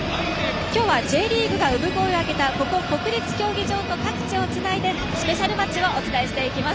今日はＪリーグが産声を上げたここ国立競技場と各地をつないでスペシャルマッチをお伝えしていきます。